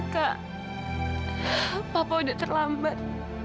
kak papa udah terlambat